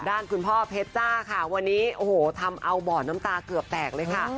ด้านคุณพ่อเพชรจ้าค่ะวันนี้โอ้โหทำเอาบ่อน้ำตาเกือบแตกเลยค่ะ